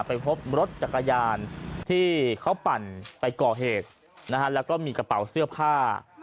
ไปพบรถจักรยานที่เขาปั่นไปก่อเหตุนะฮะแล้วก็มีกระเป๋าเสื้อผ้า